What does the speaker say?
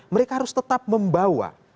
mereka harus tetap membawa